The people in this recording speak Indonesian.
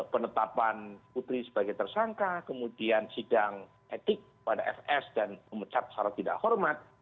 penetapan putri sebagai tersangka kemudian sidang etik pada fs dan memecat secara tidak hormat